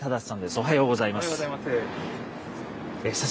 おはようございます。